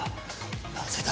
なぜだ？